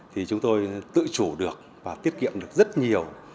thì chúng tôi tự chủ được và tiết kiệm được rất nhiều